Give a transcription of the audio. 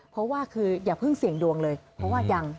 เพราะว่าคืออย่าเพิ่งเสี่ยงดวงเลยเพราะว่ายัง